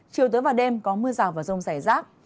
chiều tới vào đêm có mưa rào và rông rải rác